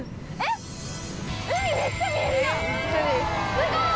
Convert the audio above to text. すごい！